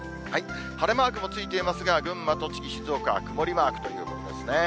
晴れマークもついていますが、群馬、栃木、静岡は曇りマークということですね。